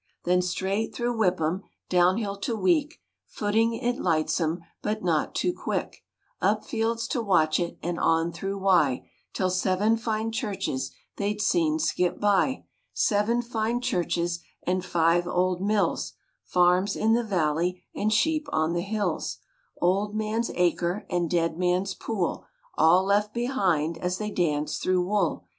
Then straight through Whipham, Downhill to Week, Footing it lightsome, But not too quick, Up fields to Watchet, And on through Wye, Till seven fine churches They'd seen skip by Seven fine churches, And five old mills, Farms in the valley, And sheep on the hills; Old Man's Acre And Dead Man's Pool All left behind, As they danced through Wool.